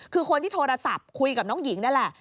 คือคนที่โทรศัพท์คุยกับน้องหญิงนั่นแหละ